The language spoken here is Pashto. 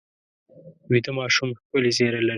ویده ماشوم ښکلې څېره لري